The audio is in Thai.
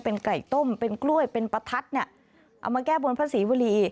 เป็นไก่ต้มเป็นกล้วยเป็นประทัดเนี่ยเอามาแก้บนพระศรีวรี